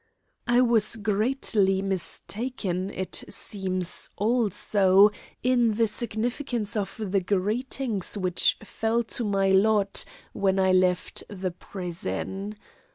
I was greatly mistaken, it seems, also in the significance of the greetings which fell to my lot when I left the prison.